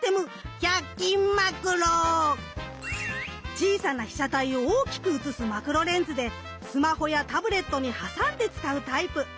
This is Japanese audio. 小さな被写体を大きく写すマクロレンズでスマホやタブレットに挟んで使うタイプ。